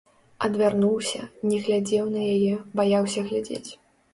Адвярнуўся, не глядзеў на яе, баяўся глядзець.